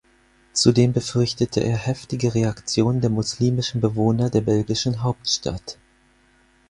Zudem befürchtete er heftige Reaktionen der muslimischen Bewohner der belgischen Hauptstadt.